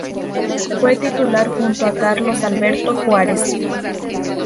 Fue titular junto a Carlos Alberto Juárez.